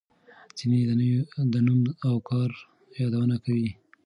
ځینې د نوم او کار یادونه کوي.